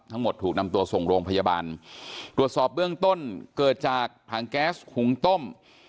ถูกนำตัวส่งโรงพยาบาลตรวจสอบเบื้องต้นเกิดจากถังแก๊สหุงต้ม